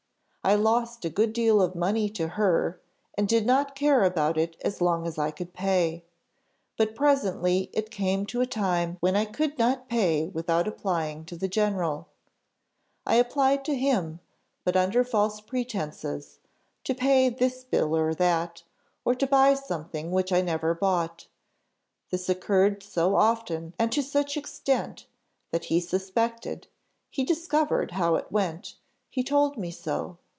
I lost a good deal of money to her, and did not care about it as long as I could pay; but presently it came to a time when I could not pay without applying to the general: I applied to him, but under false pretences to pay this bill or that, or to buy something, which I never bought: this occurred so often and to such extent, that he suspected he discovered how it went; he told me so.